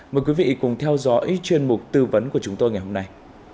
mời quý vị cùng theo dõi chuyên mục tư vấn của chúng tôi ngày hôm nay